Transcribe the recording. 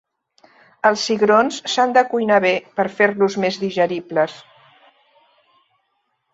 Els cigrons s'han de cuinar bé per fer-los més digeribles.